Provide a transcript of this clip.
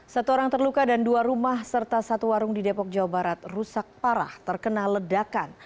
satu orang terluka dan dua rumah serta satu warung di depok jawa barat rusak parah terkena ledakan